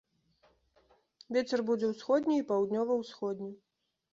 Вецер будзе ўсходні і паўднёва-ўсходні.